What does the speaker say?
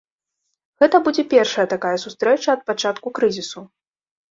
Гэта будзе першая такая сустрэча ад пачатку крызісу.